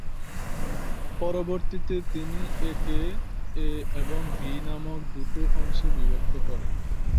পরবর্তীতে তিনি একে এ এবং বি নামক দুটো অংশে বিভক্ত করেন।